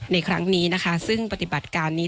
ในครั้งนี้นะคะซึ่งปฏิบัติการนี้